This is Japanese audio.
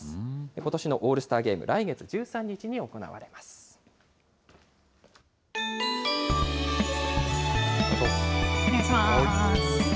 ことしのオールスターゲーム、来月１３日に行われます。